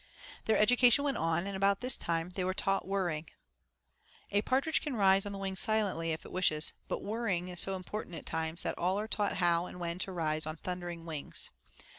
Their education went on, and about this time they were taught 'whirring.' A partridge can rise on the wing silently if it wishes, but whirring is so important at times that all are taught how and when to rise on thundering wings.